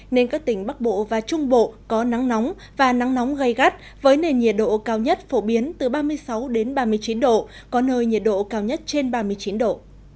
nên các tỉnh bắc bộ và trung bộ có nắng nóng và nắng nóng gây gắt với nền nhiệt độ cao nhất phổ biến từ ba mươi sáu ba mươi chín độ có nơi nhiệt độ cao nhất trên ba mươi chín độ